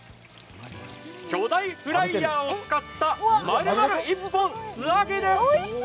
巨大フライヤーを使った、丸々一本素揚げです。